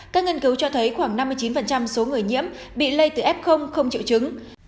các nghiên cứu cho thấy khoảng năm mươi chín số người nhiễm bị lây từ f không chịu chứng